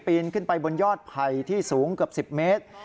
นขึ้นไปบนยอดไผ่ที่สูงเกือบ๑๐เมตร